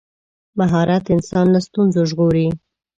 مهارت انسان له ستونزو ژغوري.